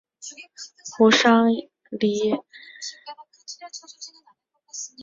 胡商彝是清朝光绪癸卯科进士。